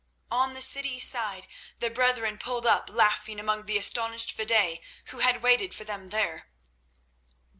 On the city side the brethren pulled up laughing among the astonished fedaïs who had waited for them there.